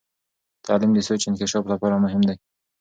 تعلیم د سوچ انکشاف لپاره مهم دی.